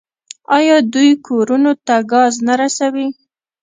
آیا دوی کورونو ته ګاز نه رسوي؟